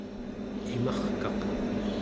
imarkaq